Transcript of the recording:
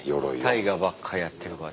大河ばっかやってるから。